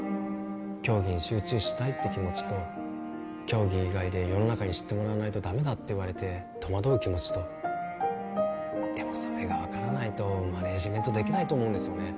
競技に集中したいって気持ちと競技以外で世の中に知ってもらわないとダメだって言われて戸惑う気持ちとでもそれが分からないとマネージメントできないと思うんですよね